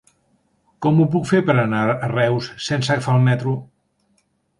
Com ho puc fer per anar a Reus sense agafar el metro?